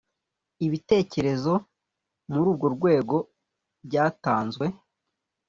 ibitekerezo muri urwo rwego byatanzwe